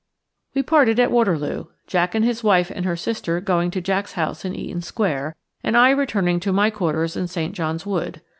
We parted at Waterloo, Jack and his wife and her sister going to Jack's house in Eaton Square, and I returning to my quarters in St John's Wood.